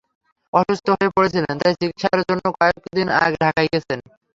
অসুস্থ হয়ে পড়েছিলেন, তাই চিকিৎসার জন্য কয়েক দিন আগে ঢাকায় গেছেন।